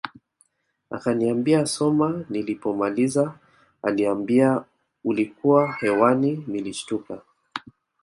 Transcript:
Akaniambia soma nilipomaliza aliambia ulikuwa hewani nilishtuka